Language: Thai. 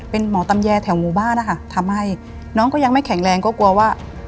เป็นหมอตำแยแถวหมู่บ้านนะคะทำให้น้องก็ยังไม่แข็งแรงก็กลัวว่า